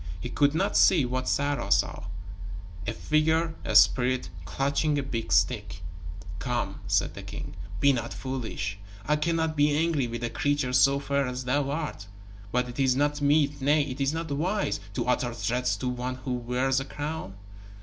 He could not see what Sarah saw a figure, a spirit, clutching a big stick. "Come," said the king, "be not foolish. I cannot be angry with a creature so fair as thou art. But it is not meet nay, it is not wise to utter threats to one who wears a crown."